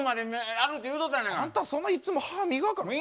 あんたそんないっつも歯磨かん。